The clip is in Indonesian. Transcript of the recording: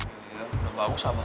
iya udah bagus abah